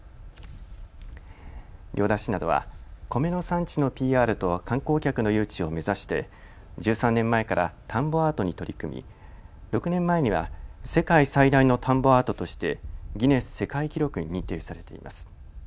行田市などは米の産地のＰＲと観光客の誘致を目指して１３年前から田んぼアートに取り組み６年前には世界最大の田んぼアートとしてギネス世界記録に認定されています。